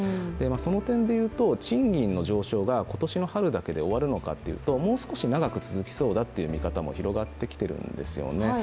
その点でいうと賃金の上昇が今年の春だけで終わるのかというともう少し長く続きそうだっていう見方も広がってきているんですよね。